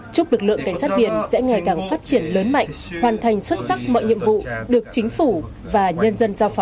chúc lực lượng cảnh sát biển sẽ ngày càng phát triển lớn mạnh hoàn thành xuất sắc mọi nhiệm vụ được chính phủ và nhân dân giao phó